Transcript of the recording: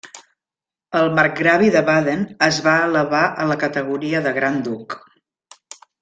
El marcgravi de Baden es va elevar a la categoria de Gran Duc.